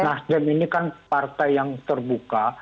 nasdem ini kan partai yang terbuka